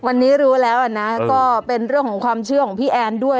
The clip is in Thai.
วันนี้รู้แล้วนะก็เป็นเรื่องของความเชื่อของพี่แอนด้วย